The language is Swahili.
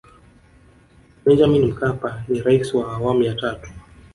benjamin mkapa ni rais wa awamu ya tatu